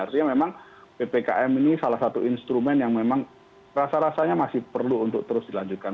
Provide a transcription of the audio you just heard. artinya memang ppkm ini salah satu instrumen yang memang rasa rasanya masih perlu untuk terus dilanjutkan